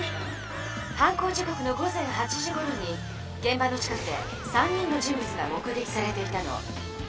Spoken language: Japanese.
犯行時こくの午前８時ごろにげん場の近くで３人の人物が目げきされていたの。